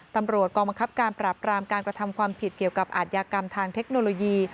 ตำรวจกองบังคับการปราบรามการกระทำความผิดเกี่ยวกับอาทยากรรมทางเทคโนโลยี